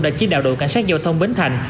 đã chỉ đạo đội cảnh sát giao thông bến thành